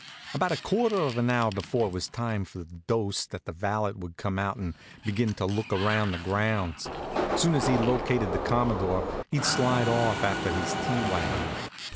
About a quarter of an hour before it was time for the dose the valet would come out and begin to look around the grounds. Soon as he'd located the Commodore he'd slide off after his tea wagon.